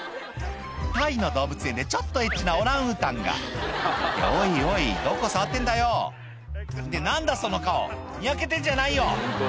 タイの動物園でちょっとエッチなオランウータンがおいおいどこ触ってんだよって何だその顔ニヤけてんじゃないよ！